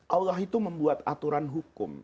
allah itu membuat aturan hukum